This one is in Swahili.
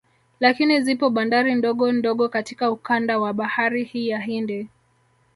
Lakini zipo bandari ndogo ndogo katika ukanda wa bahari hii ya Hindi